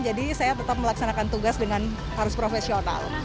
jadi saya tetap melaksanakan tugas dengan harus profesional